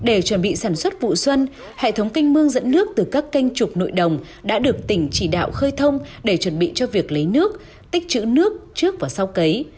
để chuẩn bị sản xuất vụ xuân hệ thống canh mương dẫn nước từ các kênh trục nội đồng đã được tỉnh chỉ đạo khơi thông để chuẩn bị cho việc lấy nước tích chữ nước trước và sau cấy